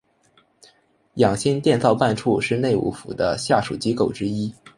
养心殿造办处是内务府的下属机构之一。